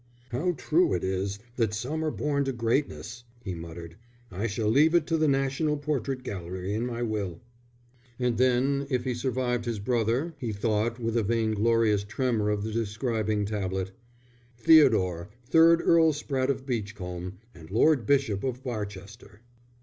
"How true it is that some are born to greatness!" he muttered. "I shall leave it to the National Portrait Gallery in my will." And then, if he survived his brother, he thought with a vainglorious tremor of the describing tablet: "Theodore, 3rd Earl Spratte of Beachcombe, and Lord Bishop of Barchester."